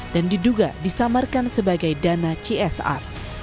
diduga disamarkan sebagai dana csr